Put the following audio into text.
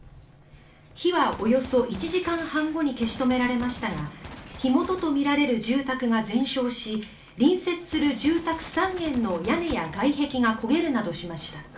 火はおよそ１時間半後に消し止められましたが火元とみられる住宅が全焼し隣接する住宅３軒の屋根や外壁が焦げるなどしました。